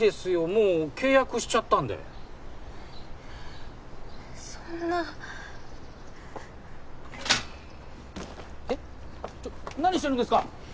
もう契約しちゃったんでそんなえっ！？ちょっ何してるんですか？